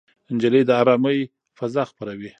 نجلۍ د ارامۍ فضا خپروي.